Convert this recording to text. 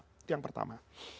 itu yang pertama